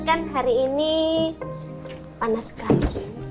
kan hari ini panas sekali